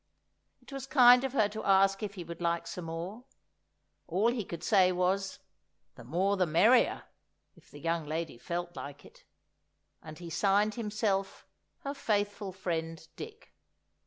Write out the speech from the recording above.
It was kind of her to ask if he would like some more; all he could say was—"the more the merrier," if the young lady felt like it. And he signed himself, her faithful friend, Dick.